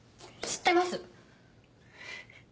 知ってます。